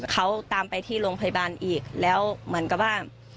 เขาตามไปที่โรงพยาบาลอีกแล้วเหมือนกับว่า